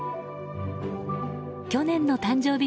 去年の誕生日